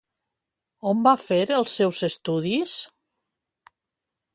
On va fer els seus estudis?